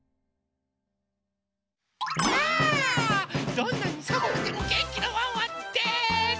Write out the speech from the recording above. どんなにさむくてもげんきなワンワンです！